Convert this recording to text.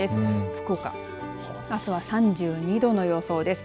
福岡、あすは３２度の予想です。